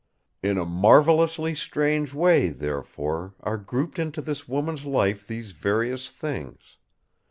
"In a marvellously strange way, therefore, are grouped into this woman's life these various things.